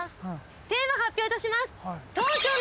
テーマ発表いたします。